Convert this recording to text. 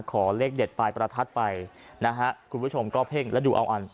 ขอเลขเด็ดปลายประทัดไปนะฮะคุณผู้ชมก็เพ่งและดูเอาอัน